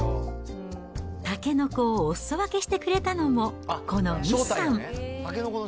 たけのこをおすそ分けしてくれたのも、この西さん。